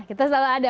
kita selalu ada